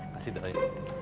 kasih doang ya